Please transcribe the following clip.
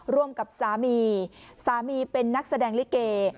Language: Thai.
ร่วมกับสามีสามีเป็นนักแสดงลิเก